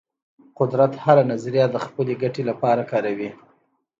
قدرت هره نظریه د خپل ګټې لپاره کاروي.